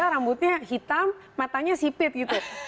rambutnya hitam matanya sipit gitu